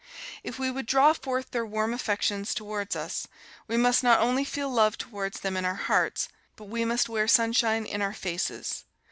If we would draw forth their warm affections towards us, we must not only feel love towards them in our hearts, but we must wear sunshine in our faces.